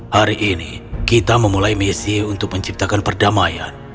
hari ini kita memulai misi untuk menciptakan perdamaian